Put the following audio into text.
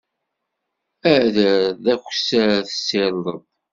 Ader d akessar, tessirdeḍ.